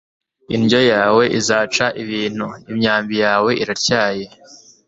Indyo yawe izaca ibintu imyambi yawe iratyaye